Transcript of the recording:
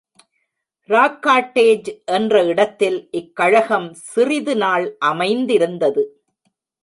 ராக்காட்டேஜ் என்ற இடத்தில் இக் கழகம் சிறிது நாள் அமைந்திருந்தது.